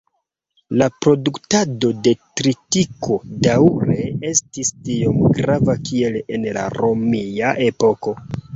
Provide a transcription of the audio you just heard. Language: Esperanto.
La produktado de tritiko daŭre estis tiom grava kiel en la romia epoko.